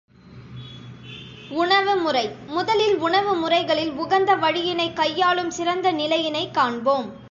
உணவு முறை முதலில் உணவு முறைகளில் உகந்த வழியினைக் கையாளும் சிறந்த நிலையினைக் காண்போம்.